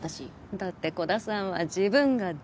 だって鼓田さんは自分が大好き。